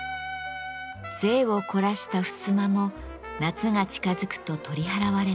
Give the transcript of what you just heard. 贅を凝らしたふすまも夏が近づくと取り払われます。